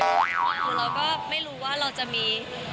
คือเราก็ไม่รู้ว่าเราจะมี